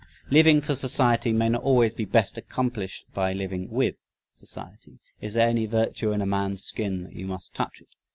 Living for society may not always be best accomplished by living WITH society. "Is there any virtue in a man's skin that you must touch it?"